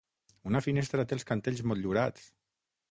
Una finestra té els cantells motllurats.